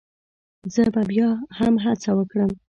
زه به بيا هم هڅه وکړم